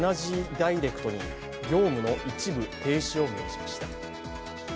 ダイレクトに業務の一部停止を命じました。